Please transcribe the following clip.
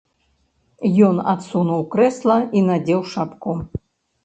Ён адсунуў крэсла і надзеў шапку.